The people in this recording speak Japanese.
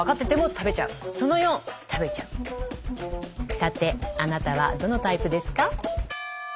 さてあなたはどのタイプですか？